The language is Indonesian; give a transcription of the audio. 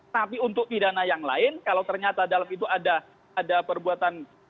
tapi untuk pidana yang lain kalau ternyata dalam itu ada perbuatan